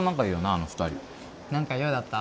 あの２人何か用だった？